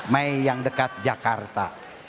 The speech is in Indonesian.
mei yang dekat jakarta